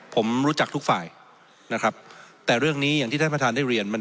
ผมรู้จักทุกฝ่ายนะครับแต่เรื่องนี้อย่างที่ท่านประธานได้เรียนมัน